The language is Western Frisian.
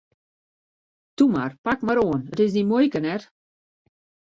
Toe mar, pak mar oan, it is dyn muoike net!